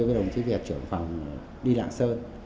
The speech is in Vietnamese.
với đồng chí việt trưởng phòng đi lạng sơn